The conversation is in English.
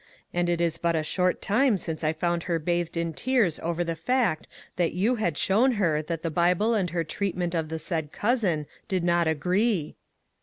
and it is but a short time since I found her bathed in tears over the fact that you had shown her that the Bible and her treatment of the said cousin did not agree